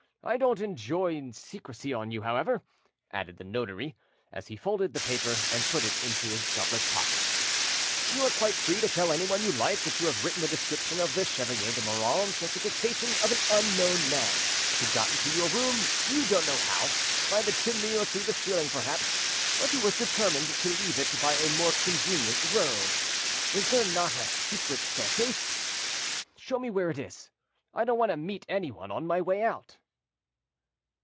I don't enjoin secrecy on you, however," added the notary, as he folded the paper and put it into his doublet pocket. "You are quite free to tell anyone you like that you have written the description of the Chevalier de Moranges at the dictation of an unknown man, who got into your room you don't know how, by the chimney or through the ceiling perhaps, but who was determined to leave it by a more convenient road. Is there not a secret staircase? Show me where it is. I don't want to meet anyone on my way out."